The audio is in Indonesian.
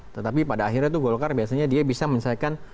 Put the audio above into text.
tetapi pada akhirnya tuh golkar biasanya dia bisa menyelesaikan